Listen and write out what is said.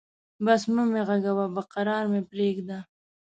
بس مه مې غږوه، به کرار مې پرېږده.